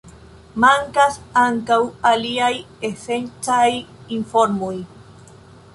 Mankas ankaŭ aliaj esencaj informoj.